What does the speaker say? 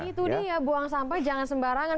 itu dia buang sampah jangan sembarangan